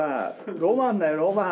ロマンだよロマン。